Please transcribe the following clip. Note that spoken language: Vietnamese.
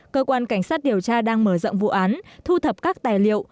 cơ quan cảnh sát điều tra đang mở rộng vụ án thu thập các tài liệu